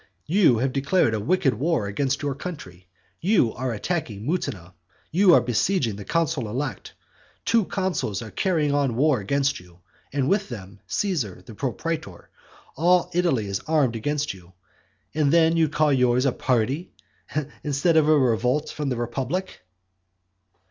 You have declared a wicked war against your country; you are attacking Mutina; you are besieging the consul elect; two consuls are carrying on war against you; and with them, Caesar, the propraetor; all Italy is armed against you; and then do you call yours "a party," instead of a revolt from the republic?